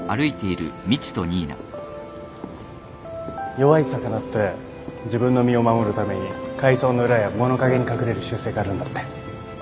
弱い魚って自分の身を守るために海藻の裏や物陰に隠れる習性があるんだって。